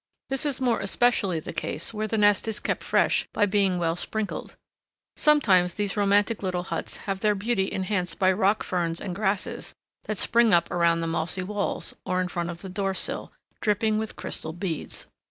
This is more especially the case where the nest is kept fresh by being well sprinkled. Sometimes these romantic little huts have their beauty enhanced by rock ferns and grasses that spring up around the mossy walls, or in front of the door sill, dripping with crystal beads.